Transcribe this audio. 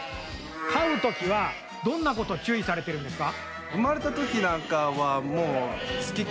かうときはどんなことちゅういされてるんですか？